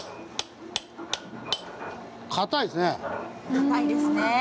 かたいですね。